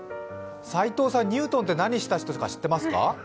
齋藤さん、ニュートンって何した人か知ってますか？